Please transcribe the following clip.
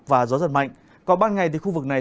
và gió giật mạnh còn ban ngày thì khu vực này